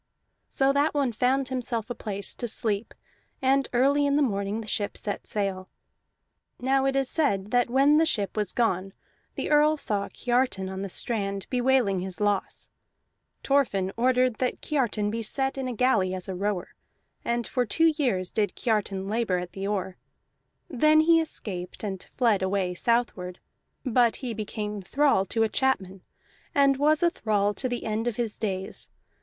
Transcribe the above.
So that one found himself a place to sleep, and early in the morning the ship set sail. Now it is said that when the ship was gone the Earl saw Kiartan on the strand bewailing his loss. Thorfinn ordered that Kiartan be set in a galley as rower, and for two years did Kiartan labor at the oar. Then he escaped, and fled away southward; but he became thrall to a chapman, and was a thrall to the end of his days.